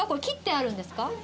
切ってあるんですか？